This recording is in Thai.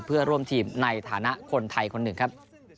เพื่อร่วมทีมในฐานะคนไทยคนหนึ่งครับ